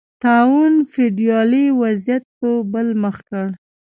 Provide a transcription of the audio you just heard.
طاعون فیوډالي وضعیت په بل مخ کړ